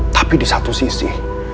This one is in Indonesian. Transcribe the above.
tapi disatu sisi